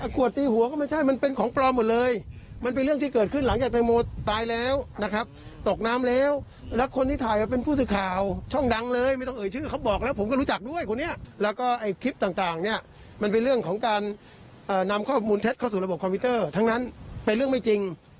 ขวดตีหัวก็ไม่ใช่มันเป็นของปลอมหมดเลยมันเป็นเรื่องที่เกิดขึ้นหลังจากแตงโมตายแล้วนะครับตกน้ำแล้วแล้วคนที่ถ่ายมาเป็นผู้สื่อข่าวช่องดังเลยไม่ต้องเอ่ยชื่อเขาบอกแล้วผมก็รู้จักด้วยคนนี้แล้วก็ไอ้คลิปต่างเนี่ยมันเป็นเรื่องของการนำข้อมูลเท็จเข้าสู่ระบบคอมพิวเตอร์ทั้งนั้นเป็นเรื่องไม่จริง